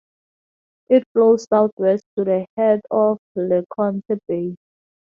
It flows southwest to the head of LeConte Bay.